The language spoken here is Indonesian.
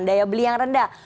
daya beli yang rendah